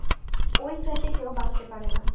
ওই ক্র্যাশে কেউ বাঁচতে পারে না।